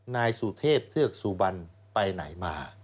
นายสุเทพเทือกสุบันไปไหนมา